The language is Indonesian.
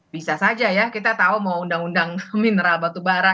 bisa saja ya kita tahu mau undang undang mineral batubara